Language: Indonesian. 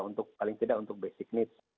untuk paling tidak untuk basic needs